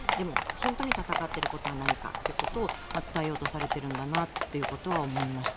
本当に戦ってることは何かってことを伝えようとされているんだなということは思いました。